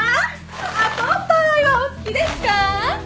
アップルパイはお好きですか？